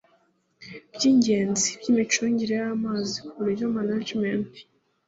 by ingenzi by imicungire y amazi ku buryo managementi